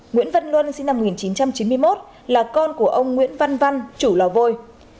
nguyễn văn luân sinh năm một nghìn chín trăm chín mươi một là con của ông nguyễn văn văn chủ lò vôi